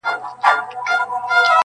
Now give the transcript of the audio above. ځکه نه خېژي په تله برابر د جهان یاره ,